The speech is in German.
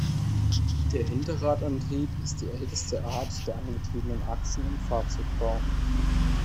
Der Hinterradantrieb ist die älteste Art der angetriebenen Achsen im Fahrzeugbau.